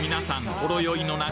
ほろ酔いの中